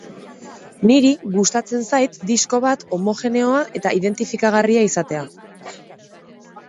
Niri gustatzen zait disko bat homogeneoa eta identifikagarria izatea.